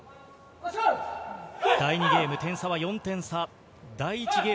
第２ゲーム、点差は４点。